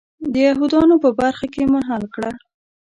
د یهودانو په برخه کې منحل کړه.